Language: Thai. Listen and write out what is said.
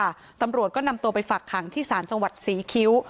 ตำรวจก็นำตัวไปฝักขังที่ศาลจังหวัดศรีคิ้ว